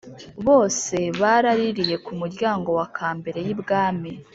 bose barāririye ku muryango wa kambere y’ibwami